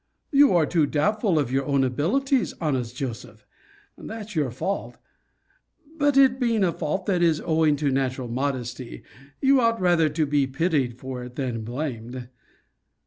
You are too doubtful of your own abilities, honest Joseph; that's your fault. But it being a fault that is owing to natural modesty, you ought rather to be pitied for it than blamed.